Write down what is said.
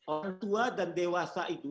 orang tua dan dewasa itu